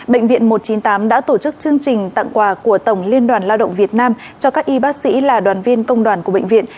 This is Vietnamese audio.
bệnh viện một trăm chín mươi tám đã tổ chức chương trình tặng quà của tổng liên đoàn lao động việt nam cho các y bác sĩ là đoàn viên công đoàn của bệnh viện